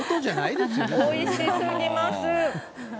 おいしすぎます。